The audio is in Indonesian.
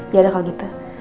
yaudah kalau gitu